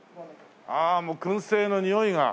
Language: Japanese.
ああもう燻製の匂いが。